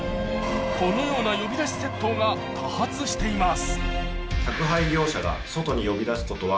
このような呼び出し窃盗が多発しています